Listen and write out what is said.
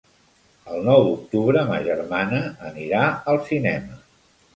El nou d'octubre ma germana anirà al cinema.